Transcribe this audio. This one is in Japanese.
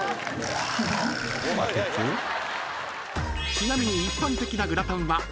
［ちなみに］